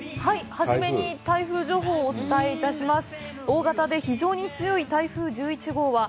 初めに台風情報をお伝えします。